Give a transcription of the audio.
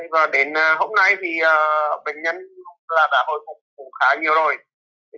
và đến hôm nay thì bệnh nhân là đã hồi phục khá nhiều rồi